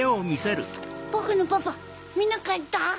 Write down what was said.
ボクのパパみなかった？